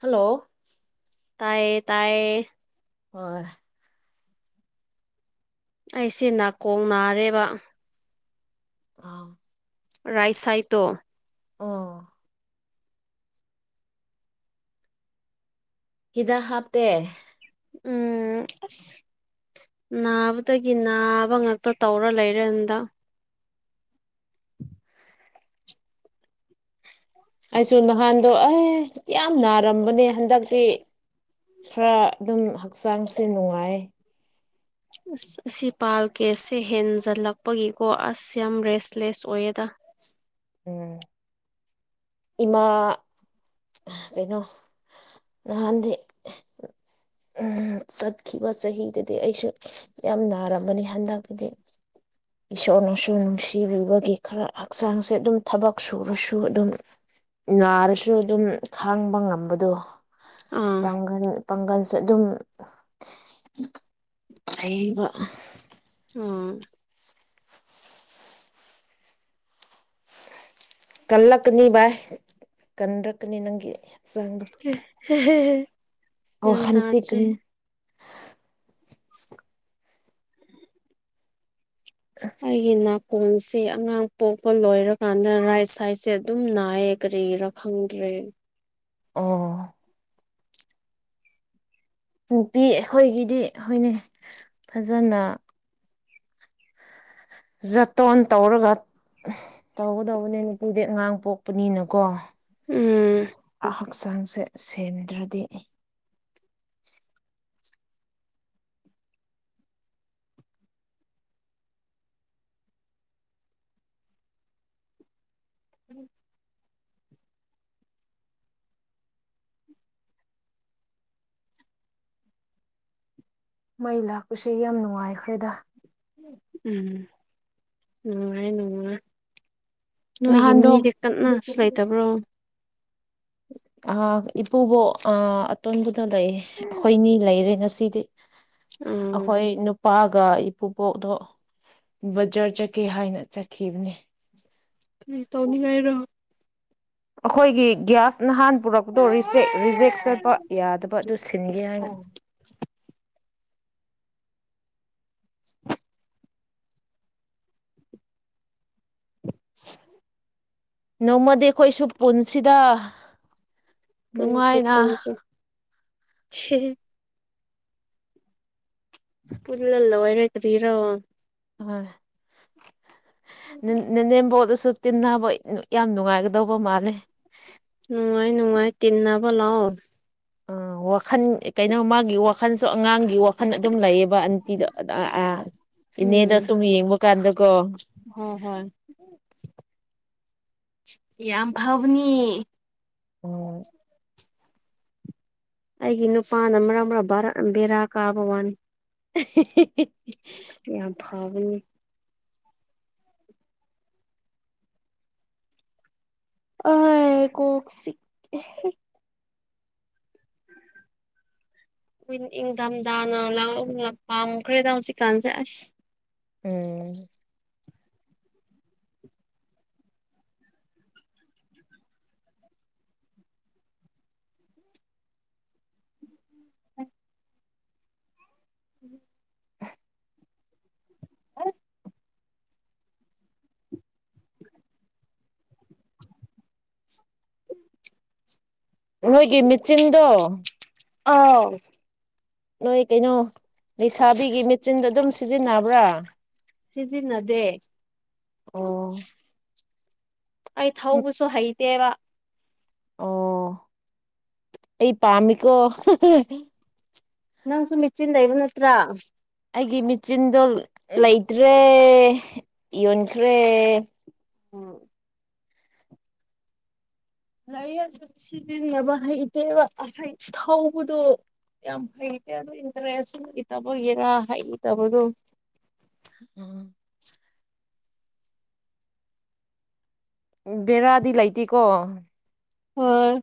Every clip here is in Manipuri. ꯍꯜꯂꯣ ꯇꯌꯦ ꯇꯌꯦ ꯍꯣꯏ ꯑꯩꯁꯦ ꯅꯥꯀꯣꯡ ꯅꯥꯔꯦꯕ ꯑꯥ ꯔꯥꯏꯁꯥꯏ ꯇꯣ ꯑꯥ ꯍꯤꯗ ꯍꯥꯞꯇꯦ ꯎꯝ ꯑꯁ ꯅꯥꯕꯗꯒꯤ ꯅꯥꯕ ꯉꯛꯇ ꯇꯧꯔ ꯂꯩꯔꯦꯗ ꯑꯩꯁꯨ ꯅꯍꯥꯟꯗꯣ ꯑꯦ ꯌꯥꯝ ꯅꯥꯔꯝꯕꯅꯦ ꯍꯟꯗꯛꯇꯤ ꯈꯔ ꯑꯗꯨꯝ ꯍꯛꯆꯥꯡꯁꯦ ꯅꯨꯡꯉꯥꯏ ꯑꯁ ꯑꯁꯤ ꯄꯥꯜ ꯀꯦꯁꯁꯦ ꯍꯦꯟꯖꯜꯂꯛꯄꯒꯤꯀꯣ ꯑꯁ ꯌꯥꯝ ꯔꯦꯁꯂꯦꯁ ꯑꯣꯏꯌꯦꯗ [inaudible] ꯎꯝ ꯏꯃꯥ ꯀꯩꯅꯣ ꯅꯍꯥꯟꯗꯤ ꯎꯝ ꯆꯠꯈꯤꯕ ꯆꯍꯤꯗꯨꯗꯤ ꯑꯩꯁꯨ ꯌꯥꯝ ꯅꯥꯔꯝꯕꯅꯤ ꯍꯟꯗꯛꯇꯗꯤ [inaudible] ꯏꯁꯣꯔꯅꯁꯨ ꯅꯨꯡꯁꯤꯕꯤꯕꯒꯤ ꯈꯔ ꯍꯛꯆꯥꯡꯁꯦ ꯑꯗꯨꯝ ꯊꯕꯛ ꯁꯨꯔꯁꯨ ꯑꯗꯨꯝ ꯅꯥꯔꯁꯨ ꯑꯗꯨꯝ ꯈꯥꯡꯕ ꯉꯝꯕꯗꯣ ꯑꯥ ꯄꯥꯡꯒꯟ ꯄꯥꯡꯒꯜꯁꯨ ꯑꯗꯨꯝ ꯂꯩꯕ ꯎꯝ ꯀꯜꯂꯛꯀꯅꯤ ꯚꯥꯏ ꯀꯟꯔꯛꯀꯅꯤ ꯅꯪꯒꯤ ꯍꯛꯆꯥꯡꯗꯣ ꯍꯦꯍꯦ ꯒꯤꯌꯥꯟ ꯋꯥꯈꯜ ꯇꯥꯗꯔꯦ ꯄꯤꯛꯀꯅꯨ ꯑꯩꯒꯤ ꯅꯥꯛ ꯈꯣꯡꯁꯦ ꯑꯉꯥꯡ ꯄꯣꯛꯄ ꯂꯣꯏꯔꯀꯥꯟꯗ ꯔꯥꯏꯠ ꯁꯥꯏꯠꯁꯦ ꯑꯗꯨꯝ ꯅꯥꯏꯌꯦ ꯀꯔꯤꯔꯥ ꯈꯪꯗ꯭ꯔꯦ [unintelligible] ꯑꯣ ꯅꯨꯄꯤ ꯑꯩꯈꯣꯏꯒꯤꯗꯤ ꯍꯣꯏꯅꯦ ꯐꯖꯅ ꯖꯣꯇꯣꯟ ꯇꯧꯔꯒ ꯇꯧꯒꯗꯧꯕꯅꯦ ꯅꯨꯄꯨꯗꯤ ꯉꯥꯡ ꯄꯣꯛꯄꯅꯤꯅꯀꯣ ꯎꯝ ꯍꯛꯆꯥꯡꯁꯦ ꯁꯦꯟꯗ꯭ꯔꯗꯤ ꯎꯝ ꯃꯩ ꯂꯥꯛꯄꯁꯦ ꯌꯥꯝ ꯅꯨꯡꯉꯥꯏꯈ꯭ꯔꯦꯗ ꯎꯝ ꯅꯨꯡꯉꯥꯏ ꯅꯨꯡꯉꯥꯏ ꯅꯣꯏꯒꯤ ꯅꯍꯥꯟꯗꯣ ꯃꯤꯗꯤ ꯀꯟꯅꯁꯨ ꯂꯩꯇꯕ꯭ꯔꯣ ꯏꯄꯨꯕꯣꯛ ꯑꯇꯣꯟꯕꯗꯣ ꯂꯩ ꯑꯩꯈꯣꯏꯅꯤ ꯂꯩꯔꯦ ꯉꯁꯤ ꯎꯝ ꯑꯩꯈꯣꯏ ꯅꯨꯄꯥ ꯒ ꯏꯄꯨꯄꯣꯛꯗꯣ ꯕꯖꯔ ꯆꯠꯀꯦ ꯍꯥꯏꯅ ꯆꯠꯈꯤꯕꯅꯤ ꯇꯧꯅꯤꯡ ꯉꯥꯏꯔꯣ ꯑꯩꯈꯣꯏꯒꯤ ꯒ꯭ꯌꯥꯁ ꯅꯍꯥꯟ ꯄꯨꯔꯛꯄꯗꯣ ꯔꯤꯖꯦꯛ ꯆꯠꯄ ꯌꯥꯗꯕ ꯑꯗꯨ ꯁꯤꯟꯒꯦ ꯍꯥꯏꯅ ꯑꯣ [inaudible] [inaudible] ꯅꯣꯡꯃꯗꯤ ꯑꯩꯈꯣꯏꯁꯨ ꯄꯨꯟꯁꯤꯗ ꯄꯨꯟꯁꯤ ꯅꯨꯡꯉꯥꯏꯅ ꯄꯨꯟꯁꯤ ꯄꯨꯜꯂ ꯂꯣꯏꯔꯦ ꯀꯔꯤꯔꯣ ꯑꯥ ꯅꯟ ꯅꯅꯦꯝꯕꯣꯛꯁꯨ ꯑꯗꯨ ꯁꯨ ꯇꯤꯟꯅꯕ ꯌꯥꯝ ꯅꯨꯡꯉꯥꯏꯒꯗꯧꯕ ꯃꯥꯜꯂꯦ ꯅꯨꯡꯉꯥꯏ ꯅꯨꯡꯉꯥꯏ ꯇꯤꯟꯅꯕ ꯂꯥꯛꯑꯣ ꯑꯥ ꯋꯥꯈꯜ ꯀꯩꯅꯣ ꯃꯥꯒꯤ ꯋꯥꯈꯜꯁꯨ ꯑꯉꯥꯡꯒꯤ ꯋꯥꯈꯜ ꯑꯗꯨꯝ ꯂꯩꯌꯦꯕ ꯑꯟꯇꯤꯗ ꯑ ꯑꯥ ꯏꯅꯦꯗ ꯎꯝ ꯁꯨꯝ ꯌꯦꯡꯕ ꯀꯥꯟꯗ ꯍꯣꯏ ꯍꯣꯏ ꯌꯥꯝ ꯐꯕꯅꯤ ꯑꯣ ꯑꯩꯒꯤ ꯅꯨꯄꯥꯅ ꯃꯔꯛ ꯃꯔꯛ ꯕꯦꯔꯥ ꯀꯥꯕ ꯋꯥꯅꯤ [unintelligible] ꯌꯥꯝ ꯐꯕꯅꯤ ꯑꯍꯣꯏ ꯀꯣꯛ ꯆꯤꯛꯑꯦꯍꯦ ꯏꯪꯊꯝꯊꯥꯅ ꯂꯥꯡꯅ ꯄꯥꯝꯈ꯭ꯔꯦꯗ ꯍꯧꯖꯤꯛꯀꯥꯟꯁꯦ ꯑꯁ ꯎꯝ ꯑ ꯎꯝ [inaudible] ꯑ [inaudible] ꯅꯣꯏꯒꯤ ꯃꯦꯆꯤꯟꯗꯣ ꯑꯥꯎ ꯅꯣꯏ ꯀꯩꯅꯣ ꯂꯩꯁꯥꯕꯤꯒꯤ ꯃꯦꯆꯤꯟꯗꯣ ꯑꯗꯨꯝ ꯁꯤꯖꯤꯟꯅꯕ꯭ꯔꯥ ꯁꯤꯖꯤꯟꯅꯗꯦ ꯑꯣ ꯑꯩ ꯊꯧꯕꯁꯨ ꯍꯩꯇꯦꯕ ꯑꯣ ꯑꯩ ꯄꯥꯃꯤꯀꯣ ꯅꯪꯁꯨꯨ ꯃꯦꯆꯤꯟ ꯂꯩꯕ ꯅꯠꯇ꯭ꯔ ꯑꯩꯒꯤ ꯃꯦꯆꯤꯟꯗꯣ ꯂꯩꯇ꯭ꯔꯦ ꯌꯣꯟꯈ꯭ꯔꯦ ꯎꯝ ꯂꯩꯋꯦ ꯑꯗꯨꯝ ꯁꯤꯖꯤꯟꯅꯕ ꯍꯩꯇꯦꯕ ꯍꯩ ꯊꯧꯕꯗꯣ ꯌꯥꯝ ꯍꯩꯇꯦ ꯑꯗꯨ ꯏꯟꯇ꯭ꯔꯦꯁ ꯁꯨ ꯂꯩꯇꯕꯒꯤꯔ ꯍꯩꯇꯕ ꯑꯗꯨ ꯎꯝ ꯕꯦꯔꯥꯗꯤ ꯂꯩꯇꯦꯀꯣ ꯍꯣꯏ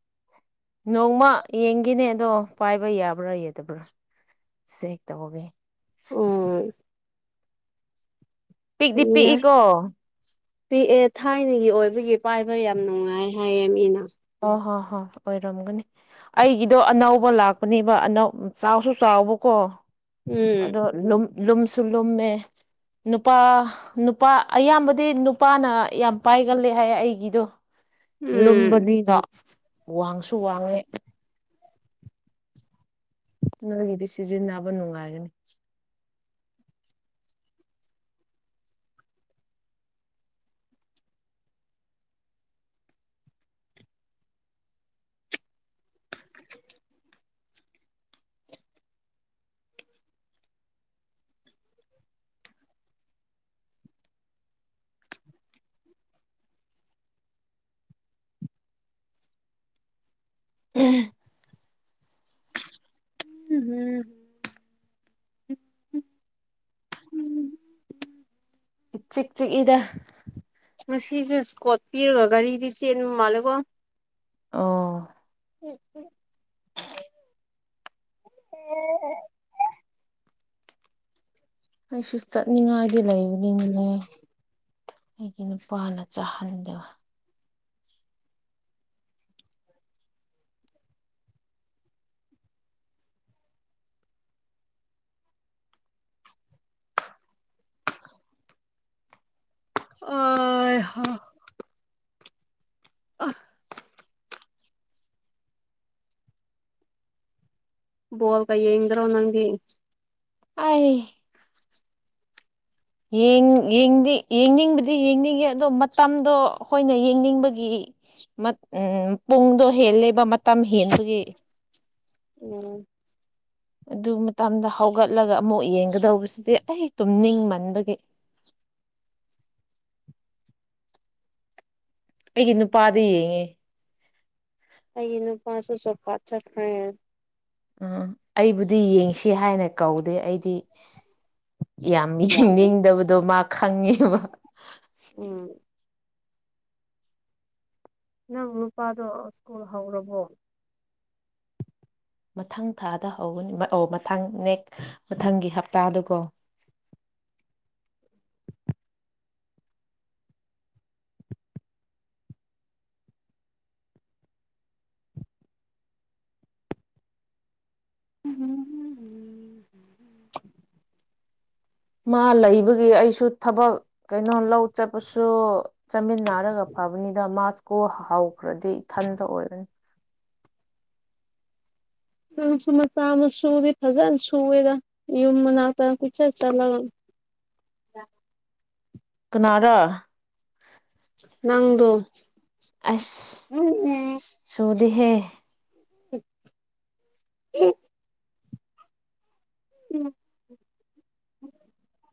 [inaudible] ꯅꯣꯡꯃ ꯌꯦꯡꯒꯤꯅꯦ ꯑꯗꯣ ꯄꯥꯏꯕ ꯌꯥꯕ꯭ꯔꯥ ꯌꯥꯗꯕ꯭ꯔꯥ ꯆꯦꯛ ꯇꯧꯒꯦ ꯎꯝ ꯄꯤꯛꯇꯤ ꯄꯤꯛꯏꯀꯣ ꯄꯤꯑꯦ ꯊꯥꯏꯅꯒꯤ ꯑꯣꯏꯕꯒꯤ ꯄꯥꯏꯕ ꯌꯥꯝ ꯅꯨꯡꯉꯥꯏ ꯍꯥꯏꯌꯦ ꯃꯤꯅ ꯑꯣ ꯍꯣ ꯍꯣꯏ ꯑꯣꯏꯔꯝꯒꯅꯤ ꯑꯩꯒꯤꯗꯣ ꯑꯅꯧꯕ ꯂꯥꯛꯄꯅꯦꯕ ꯑꯅꯧ ꯆꯥꯎꯁꯨ ꯆꯥꯎ ꯆꯥꯎꯕꯀꯣ ꯎꯝ ꯑꯗꯣ ꯂꯨꯝ ꯂꯨꯝꯁꯨ ꯂꯨꯝꯃꯦ ꯅꯨꯄꯥ ꯅꯨꯄꯥ ꯑꯌꯥꯝꯕꯗꯤ ꯅꯨꯄꯥꯅ ꯌꯥꯝ ꯄꯥꯏꯒꯜꯂꯦ ꯍꯥꯏ ꯑꯩꯒꯤꯗꯣ ꯎꯝ ꯂꯨꯝꯕꯅꯤꯅ ꯋꯥꯡꯁꯨ ꯋꯥꯡꯉꯦ ꯅꯪꯒꯤꯗꯤ ꯁꯤꯖꯤꯟꯅꯕ ꯅꯨꯡꯉꯥꯏꯒꯅꯤ [unintelligible] [inaudible] ꯏꯆꯤꯛ ꯆꯤꯛ ꯏꯗ ꯄꯨꯟꯁꯤꯁꯦ ꯁꯀꯣꯠ ꯄꯤꯔꯥ ꯒꯥꯔꯤꯗꯤ ꯆꯦꯟꯕ ꯃꯥꯜꯂꯦꯀꯣ ꯑꯣ ꯑꯩꯁꯨ ꯆꯠꯅꯤꯡꯉꯥꯏꯒꯤ ꯂꯩꯕꯅꯤꯅꯦ ꯑꯩꯒꯤ ꯅꯨꯄꯥꯅ ꯆꯥꯍꯟꯗ [unintelligible] [inaudible] ꯕꯣꯜꯒ ꯌꯦꯡꯗꯔꯣ ꯅꯪꯗꯤ ꯑꯥꯏ ꯌꯦꯡ ꯌꯦꯡꯗꯤ ꯌꯦꯡꯅꯤꯡꯕꯗꯤ ꯌꯦꯡꯅꯤꯡꯉꯦ ꯑꯗꯣ ꯃꯇꯝꯗꯣ ꯑꯈꯣꯏꯅ ꯌꯦꯡꯅꯤꯡꯕꯒꯤ ꯃꯠ ꯎꯝ ꯄꯨꯡꯗꯣ ꯍꯦꯜꯂꯦꯕ ꯃꯇꯝ ꯍꯦꯟꯕꯒꯤ ꯎꯝ ꯑꯗꯨ ꯃꯇꯝꯗ ꯍꯧꯒꯠꯂꯒ ꯑꯃꯨꯛ ꯌꯦꯡꯒꯗꯧꯕꯁꯤꯗꯤ ꯑꯩ ꯇꯨꯝꯅꯤꯡꯃꯟꯕꯒꯤ [inaudible] ꯑꯩꯒꯤ ꯅꯨꯄꯥꯗ ꯌꯦꯡꯉꯦ ꯑꯩꯒꯤ ꯅꯨꯄꯥꯁꯨ ꯖꯣꯞ ꯀꯔꯥꯠ ꯆꯠꯈ꯭ꯔꯦ ꯎꯝ ꯑꯩꯕꯨꯗꯤ ꯌꯦꯡꯁꯦ ꯍꯥꯏꯅ ꯀꯧꯗꯦ ꯑꯩꯗꯤ ꯌꯥꯝ ꯌꯦꯡꯅꯤꯡꯗꯕꯗꯣ ꯃꯥ ꯈꯪꯉꯦꯕ ꯎꯝ ꯅꯪ ꯅꯨꯄꯥꯗꯣ ꯁ꯭ꯀꯨꯜ ꯍꯧꯔꯕꯣ ꯃꯊꯪ ꯊꯥꯗ ꯍꯧꯒꯅꯤ ꯑꯣ ꯃꯊꯪ ꯅꯦꯛ ꯃꯊꯪꯒꯤ ꯍꯞꯇꯥꯗꯀꯣ [inaudible] [inaudible] ꯃꯥ ꯂꯩꯕꯒꯤ ꯑꯩꯁꯨ ꯊꯕꯛ ꯀꯩꯅꯣ ꯂꯧ ꯆꯠꯄꯁꯨ ꯆꯥꯃꯤꯟꯅꯔꯒ ꯐꯕꯅꯤꯗ ꯃꯥ ꯁꯀꯨ꯭ꯜ ꯍꯥꯎꯈ꯭ꯔꯗꯤ ꯏꯊꯟꯇ ꯑꯣꯏꯔꯅꯤ ꯅꯪꯁꯨ ꯃꯆꯥ ꯃꯁꯨꯗꯤ ꯐꯖꯟꯅ ꯁꯨꯋꯦꯗ ꯌꯨꯝ ꯃꯅꯥꯛꯇ ꯀꯣꯆꯠ ꯆꯠꯂꯒ [inaudible] ꯀꯅꯥꯔꯥ ꯅꯪꯗꯣ ꯑꯁ ꯁꯨꯗꯦꯍꯦ [inaudible] [unintelligible]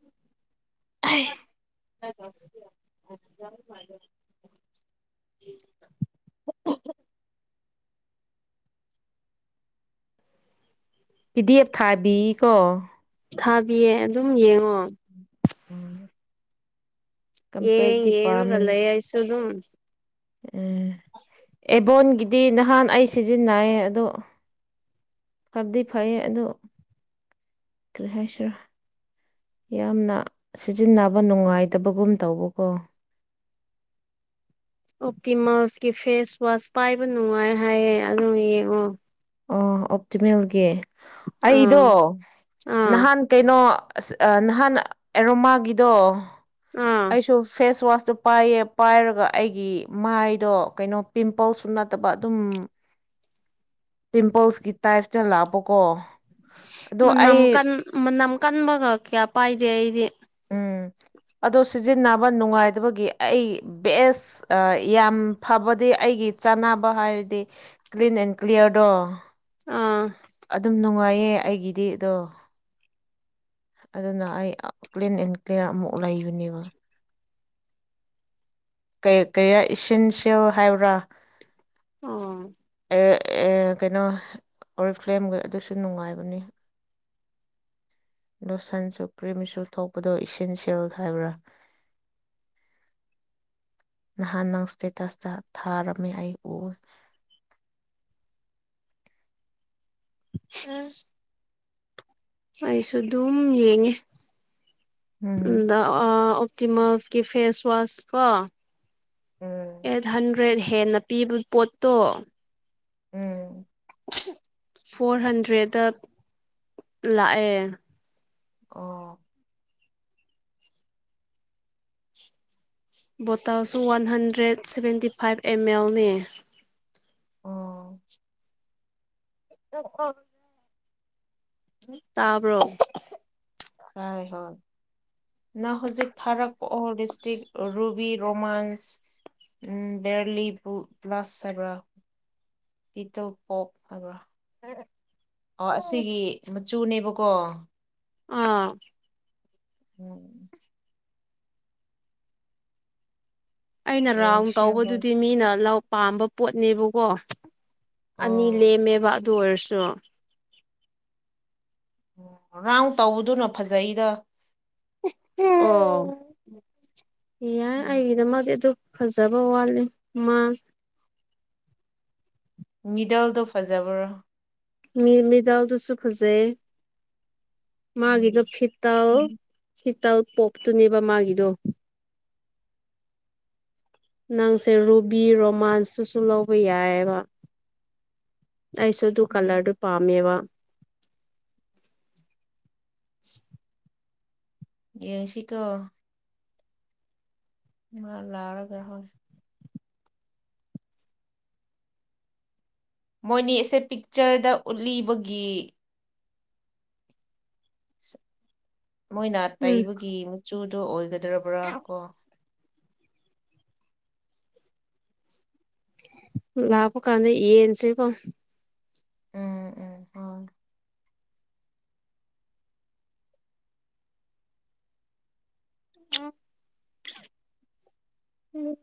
ꯑꯩ [inaudible] [inaudible] ꯄꯤꯗꯤꯑꯦꯞ ꯊꯥꯕꯤꯀꯣ ꯊꯥꯕꯤꯌꯦ ꯑꯗꯨꯝ ꯌꯦꯡꯉꯣ ꯎꯝ ꯌꯦ ꯀꯝꯄꯦꯛꯇꯤ ꯌꯦꯡꯉꯒ ꯄꯥꯝꯃꯦ ꯂꯩ ꯑꯩꯁꯨꯗꯨꯝ ꯎꯝ ꯑꯦꯕꯣꯟꯒꯤꯗꯤ ꯅꯍꯥꯟ ꯑꯩ ꯁꯤꯖꯤꯟꯅꯌꯦ ꯑꯗꯨ ꯐ꯭ꯕꯗꯤ ꯐꯩꯌꯦ ꯑꯗꯨ ꯀ꯭ꯔꯤ ꯍꯥꯏꯁꯤꯔ ꯌꯥꯝꯅ ꯁꯤꯖꯤꯟꯅꯕ ꯅꯨꯡꯉꯥꯏꯇꯕꯒꯨꯝ ꯇꯧꯕꯀꯣ [inaudible] ꯑꯣꯞꯇꯤꯃꯜꯁꯀꯤ ꯐꯦꯁ ꯋꯥꯁ ꯄꯥꯏꯕ ꯅꯨꯡꯉꯥꯏ ꯍꯥꯏꯌꯦ ꯑꯗꯨ ꯌꯦꯡꯉꯣ ꯑꯣ ꯑꯣꯞꯇꯤꯃꯦꯜꯒꯤ ꯑꯩꯗꯣ ꯑꯥ ꯑꯥ ꯅꯍꯥꯟ ꯀꯩꯅꯣ ꯑꯁ ꯅꯍꯥꯟ ꯑꯦꯔꯣꯃꯥꯒꯤꯗꯣ ꯑꯥ ꯑꯩꯁꯨ ꯐꯦꯁ ꯋꯥꯁ ꯄꯥꯏꯌꯦ ꯄꯥꯏꯔꯒ ꯑꯩꯒꯤ ꯃꯥꯏꯗꯣ ꯀꯩꯅꯣ ꯄꯤꯝꯄꯜꯁꯨ ꯅꯠꯇꯕ ꯑꯗꯨꯝ ꯄꯤꯝꯄꯜꯁꯀꯤ ꯇꯥꯏꯞꯇ ꯂꯥꯛꯕꯀꯣ ꯃꯅꯝ ꯀꯟ ꯃꯅꯝ ꯀꯟꯕꯒ ꯀꯌꯥ ꯄꯥꯏꯗꯦ ꯑꯩꯗꯤ ꯎꯝ ꯑꯗꯣ ꯁꯤꯖꯤꯟꯅꯕ ꯅꯨꯡꯉꯥꯏꯇꯕꯒꯤ ꯑꯩ ꯕꯦꯁ ꯌꯥꯝ ꯐꯕꯗꯤ ꯑꯩ ꯑꯩꯒꯤ ꯆꯥꯅꯕ ꯍꯥꯏꯔꯗꯤ ꯀ꯭ꯂꯤꯟ ꯑꯦꯟ ꯀ꯭ꯂꯤꯌꯥꯔꯗꯣ ꯑꯥ ꯑꯗꯨꯝ ꯅꯨꯡꯉꯥꯏꯌꯦ ꯑꯩꯒꯤꯗꯤ ꯑꯗꯣ ꯑꯗꯨꯅ ꯑꯩ ꯀ꯭ꯂꯤꯟ ꯑꯦꯟ ꯀ꯭ꯂꯤꯌꯥꯔ ꯑꯃꯨꯛ ꯂꯩꯕꯅꯦꯕ ꯀꯩ ꯀꯌꯥ ꯏꯁꯤꯟꯁꯦꯜ ꯍꯥꯏꯕ꯭ꯔꯥ ꯑꯣ [unintelligible] ꯀꯩꯅꯣ ꯑꯣꯔꯐꯂꯦꯝꯒꯤ ꯑꯗꯨꯁꯨ ꯅꯨꯡꯉꯥꯏꯕꯅꯤ ꯂꯣꯁꯟꯁꯨ ꯀ꯭ꯔꯤꯝꯁꯨ ꯊꯣꯛꯄꯗꯣ ꯏꯁꯦꯟꯁꯤꯌꯦꯜ ꯍꯥꯏꯕ꯭ꯔꯥ [inaudible] ꯅꯍꯥꯟ ꯅꯪ ꯏꯁꯇꯦꯇꯁꯇ ꯊꯥꯔꯝꯃꯤ ꯑꯩ ꯎꯏ ꯎꯝ ꯑꯩꯁꯨ ꯑꯗꯨꯝ ꯌꯦꯡꯉꯦ ꯎꯝ ꯑꯗ ꯑꯣꯞꯇꯤꯃꯜꯁꯀꯤ ꯐꯦꯁ ꯋꯥꯁ ꯀꯣ ꯎꯝ ꯑꯦꯠ ꯍꯟꯗ꯭ꯔꯦꯗ ꯍꯦꯟꯅ ꯄꯤꯕ ꯄꯣꯠꯇꯣ ꯎꯝ ꯐꯣꯔ ꯍꯟꯗ꯭ꯔꯦꯗꯇ ꯂꯥꯛꯑꯦ ꯑꯣ ꯕꯣꯇꯥꯜꯁꯨ one hundred seventy five M ꯑꯦꯜꯅꯦ ꯑꯣ ꯑꯣ ꯑꯣ ꯇꯥꯕ꯭ꯔꯣ ꯑ ꯍꯣꯏ ꯅꯪ ꯍꯧꯖꯤꯛ ꯊꯥꯔꯛꯄ ꯑꯣ ꯂꯤꯞꯁꯇꯤꯛ ꯔꯨꯕꯤ ꯔꯣꯃꯥꯟꯁ ꯕꯦꯔꯂꯤꯕꯨ ꯕ꯭ꯂꯥꯁ ꯍꯥꯏꯕ꯭ꯔꯥ ꯂꯤꯇꯜ ꯄꯣꯞ ꯍꯥꯏꯕ꯭ꯔꯥ ꯑꯣ ꯑꯁꯤꯒꯤ ꯃꯆꯨꯅꯦꯕꯀꯣ ꯑꯥ ꯎꯝ ꯑꯩꯅ ꯔꯥꯎꯟ ꯌꯦꯡꯁꯦ ꯍꯣꯏ ꯇꯧꯕꯗꯨꯗꯤ ꯃꯤꯅ ꯂꯧ ꯄꯥꯝꯕ ꯄꯣꯠꯅꯦꯕꯀꯣ ꯑꯅꯤ ꯑꯣ ꯂꯦꯝꯃꯦꯕ ꯑꯗꯨ ꯑꯣꯏꯔꯁꯨ ꯑꯣ ꯔꯥꯎꯟ ꯇꯧꯕꯗꯨꯅ ꯐꯖꯩꯗ ꯑꯣ ꯌꯥ ꯎꯝ ꯑꯩꯒꯤꯗꯃꯛꯗꯤ ꯑꯗꯨ ꯐꯖꯕ ꯋꯥꯠꯂꯦ ꯃꯥ ꯃꯤꯗꯜꯗꯣ ꯐꯖꯕꯔꯣ ꯃꯤ ꯃꯤꯗꯥꯜꯗꯨꯁꯨ ꯐꯖꯩ ꯃꯥꯒꯤꯗꯤ ꯎꯝ ꯐꯤꯇꯥꯜ ꯎꯝ ꯐꯤꯠ ꯇꯜ ꯄꯣꯞꯇꯨꯅꯦꯕ ꯃꯥꯒꯤꯗꯣ ꯅꯪꯁꯦ ꯔꯨꯕꯤ ꯔꯣꯃꯥꯟꯁꯇꯨꯁꯨ ꯂꯧꯕ ꯌꯥꯏꯑꯦꯕ ꯑꯩꯁꯨ ꯑꯗꯨ ꯎꯝ ꯀꯂꯔꯗꯨ ꯄꯥꯝꯃꯦꯕ [inaudible] ꯌꯦꯡꯁꯤꯀꯣ ꯃꯥ ꯂꯥꯎꯔꯒ ꯍꯣꯏ ꯃꯣꯏꯅꯤꯁꯦ ꯄꯤꯛꯆꯔꯗ ꯎꯠꯂꯤꯕꯒꯤ ꯃꯣꯏꯅ ꯎꯝ ꯇꯩꯕꯒꯤ ꯃꯆꯨꯗꯣ ꯑꯣꯏꯒꯗ꯭ꯔꯕ꯭ꯔꯥ ꯀꯣ ꯂꯥꯛꯄ ꯀꯥꯟꯗ ꯌꯦꯟꯁꯤꯒꯣ ꯎꯝ ꯎꯝ ꯍꯣꯏ ꯎꯝ ꯎꯝ